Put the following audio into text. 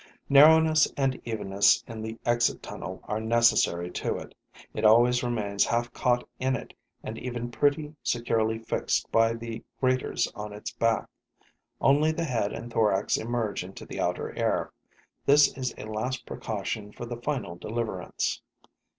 Narrowness and evenness in the exit tunnel are necessary to it. It always remains half caught in it and even pretty securely fixed by the graters on its back. Only the head and thorax emerge into the outer air. This is a last precaution for the final deliverance.